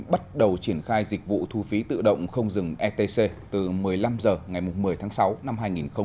bắt đầu triển khai dịch vụ thu phí tự động không dừng etc từ một mươi năm h ngày một mươi tháng sáu năm hai nghìn hai mươi